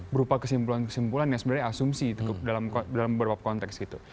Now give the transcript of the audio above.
berupa kesimpulan kesimpulan yang sebenarnya asumsi dalam beberapa konteks gitu